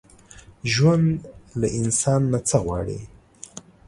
ژوند له انسان نه څه غواړي؟